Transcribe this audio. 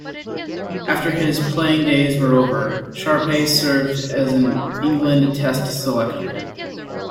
After his playing days were over, Sharpe served as an England Test selector.